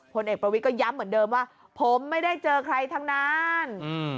ผลเอกประวิทย์ก็ย้ำเหมือนเดิมว่าผมไม่ได้เจอใครทั้งนั้น